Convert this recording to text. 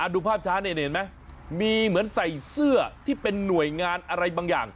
ดูภาพช้านี่เห็นไหมมีเหมือนใส่เสื้อที่เป็นหน่วยงานอะไรบางอย่าง